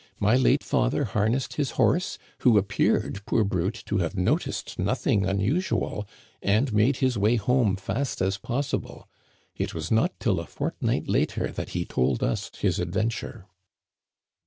" My late father har nessed his horse, who appeared, poor brute, to have no ticed nothing unusual, and made his way home fast as possible. It was not till a fortnight later that he told us his adventure."